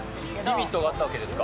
リミットがあったわけですか。